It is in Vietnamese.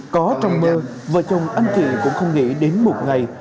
có trong mơ vợ chồng anh chị cũng không nghĩ đến một ngày